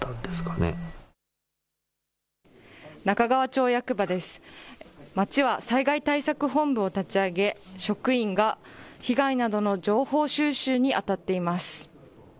町は災害対策本部を立ち上げ、職員が被害などの情報収集に当たっています。